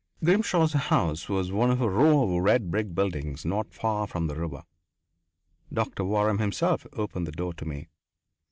Grimshaw's house was one of a row of red brick buildings not far from the river. Doctor Waram himself opened the door to me.